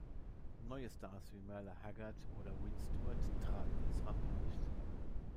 Neue Stars wie Merle Haggard oder Wynn Stewart traten ins Rampenlicht.